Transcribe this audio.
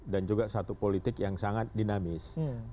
dan juga satu politik yang sangat dinamis